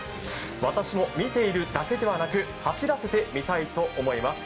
私も見ているだけではなく、走らせてみたいと思います。